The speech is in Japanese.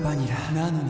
なのに．．．